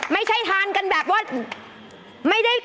ไม่ใช่ทานกันแบบว่า